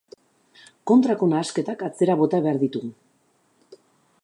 Kontrako nahasketak atzera bota behar ditugu.